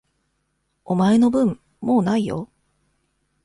お前の分、もう無いよ。